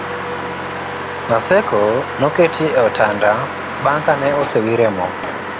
Naseko noketi e otanda bang'e ka ne osewire mo